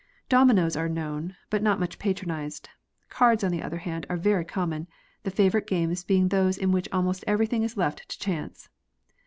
Dominoes are known, but not much patronised ; cards, on the other hand, are very common, the favourite games being those in which almost everything is left to chance.